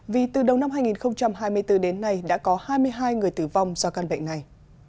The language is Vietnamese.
vì từ đầu năm hai nghìn hai mươi bốn đến nay đã có hai mươi hai người tử vong do căn bệnh này